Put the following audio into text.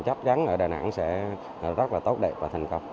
chắc chắn ở đà nẵng sẽ rất là tốt đẹp và thành công